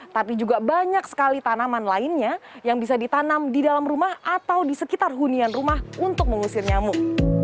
tapi juga banyak sekali tanaman lainnya yang bisa ditanam di dalam rumah atau di sekitar hunian rumah untuk mengusir nyamuk